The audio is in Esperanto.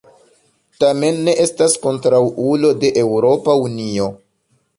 Tamen ne estas kontraŭulo de Eŭropa Unio.